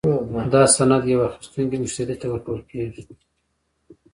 دا سند یو اخیستونکي مشتري ته ورکول کیږي.